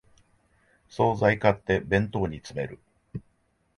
総菜を買って弁当に詰める